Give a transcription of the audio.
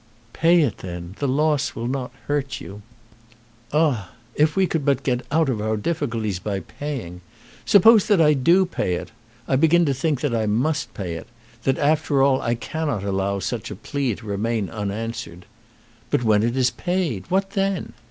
"Pay it then. The loss will not hurt you." "Ah; if we could but get out of our difficulties by paying! Suppose that I do pay it. I begin to think that I must pay it; that after all I cannot allow such a plea to remain unanswered. But when it is paid; what then?